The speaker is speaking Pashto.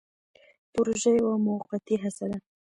پروژه یوه موقتي هڅه ده